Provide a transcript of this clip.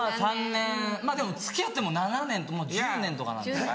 ３年でも付き合って７年で１０年とかなんで。